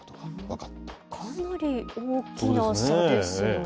かなり大きな差ですよね。